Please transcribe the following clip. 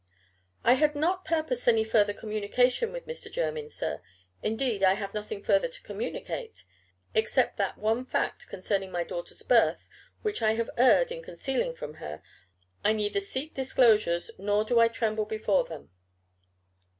"I had not purposed any further communication with Mr. Jermyn, sir; indeed, I have nothing further to communicate. Except that one fact concerning my daughter's birth, which I have erred in concealing from her, I neither seek disclosures nor do I tremble before them."